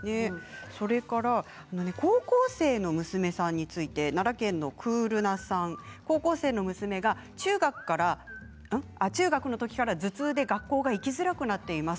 高校生の娘さんについて奈良県の方、高校生の娘が中学の時から頭痛で学校に行きづらくなっています。